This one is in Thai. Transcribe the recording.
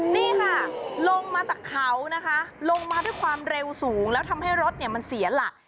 นี่ค่ะลงมาจากเขานะคะลงมาด้วยความเร็วสูงแล้วทำให้รถเนี่ยมันเสียหลัก